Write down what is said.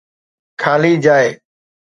خالي جاءِ